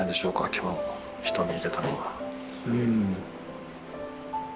今日の瞳入れたのは。